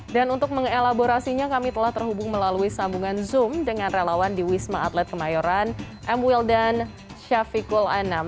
dan untuk mengelaborasinya kami telah terhubung melalui sambungan zoom dengan relawan di wisma atlet kemayoran m wildan syafiqul anam